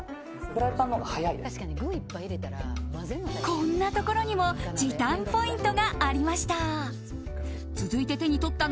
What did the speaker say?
こんなところにも時短ポイントがありました。